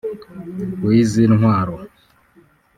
w’izi ntwaro